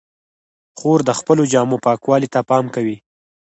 خور د خپلو جامو پاکوالي ته پام کوي.